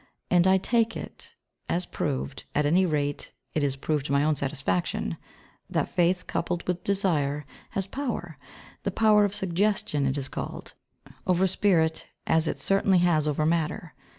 And I take it as proved at any rate it is proved to my own satisfaction that faith coupled with desire has power the power of suggestion it is called over Spirit as it certainly has over Matter.